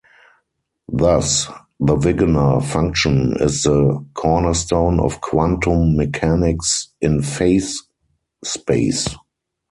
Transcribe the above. Thus, the Wigner function is the cornerstone of quantum mechanics in phase space.